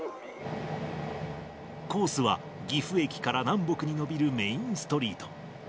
コースは、岐阜駅から南北に延びるメインストリート。